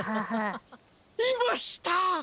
いました！